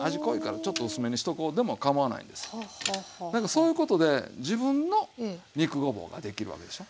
そういうことで自分の肉ごぼうが出来るわけでしょ。